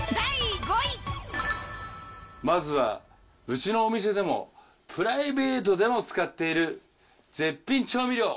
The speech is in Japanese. まずは、うちのお店でもプライベートでも使っている、絶品調味料。